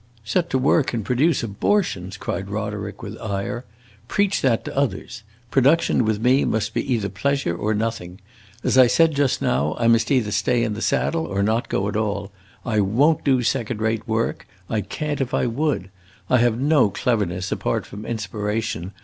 "Set to work and produce abortions!" cried Roderick with ire. "Preach that to others. Production with me must be either pleasure or nothing. As I said just now, I must either stay in the saddle or not go at all. I won't do second rate work; I can't if I would. I have no cleverness, apart from inspiration.